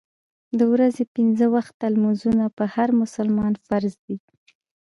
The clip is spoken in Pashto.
د ورځې پنځه وخته لمونځونه پر هر مسلمان فرض دي.